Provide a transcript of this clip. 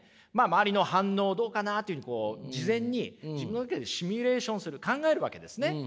周りの反応どうかなっていうふうに事前に自分の中でシミュレーションする考えるわけですね。